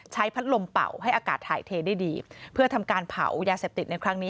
พัดลมเป่าให้อากาศถ่ายเทได้ดีเพื่อทำการเผายาเสพติดในครั้งนี้